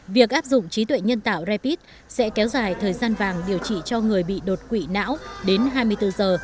việc áp dụng trí tuệ nhân tạo rapid sẽ kéo dài thời gian vàng điều trị cho người bị đột quỵ não đến hai mươi bốn giờ